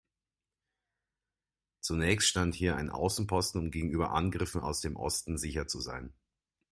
Zunächst stand hier ein Außenposten, um gegenüber Angriffen aus dem Osten sicher zu sein.